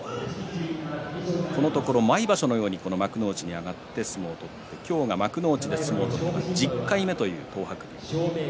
このところ毎場所のように幕内に上がって相撲を取って今日、幕内で相撲を取るのが１０回目という東白龍。